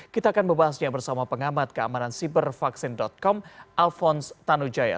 kita akan membahasnya bersama pengamat keamanan sibervaksin com alphonse tanujaya